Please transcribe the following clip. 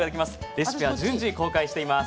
レシピは順次公開しています。